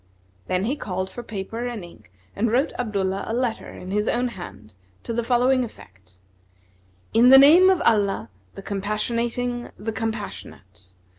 Then he called for paper and ink and wrote Abdullah a letter in his own hand, to the following effect: "In the name of Allah, the Compassionating' the Compassionate!